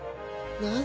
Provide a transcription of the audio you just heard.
何？